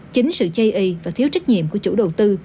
chính sự chây y và thiếu trách nhiệm của chủ đầu tư